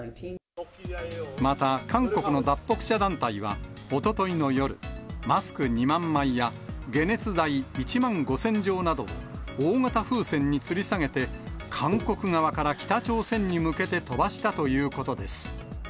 また韓国の脱北者団体は、おとといの夜、マスク２万枚や解熱剤１万５０００錠などを、大型風船につり下げて、韓国側から北朝鮮に向けて飛ばしたということです。